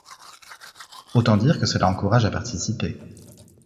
Autant dire que cela encourage à participer...